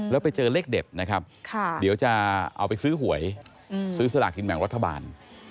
แล้วไปเจอเลขเด็ดนะครับเดี๋ยวจะเอาไปซื้อหวยซื้อสลากกินแบ่งรัฐบาล